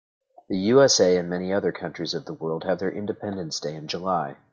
The USA and many other countries of the world have their independence day in July.